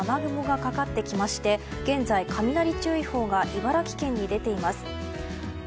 北部を中心に青い表示の雨雲がかかってきまして現在、雷注意報が茨城県に出ています。